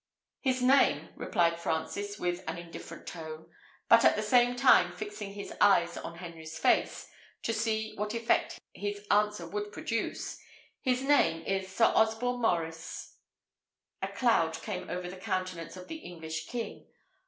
"His name," replied Francis, with an indifferent tone, but at the same time fixing his eyes on Henry's face, to see what effect his answer would produce; "his name is Sir Osborne Maurice." A cloud came over the countenance of the English king.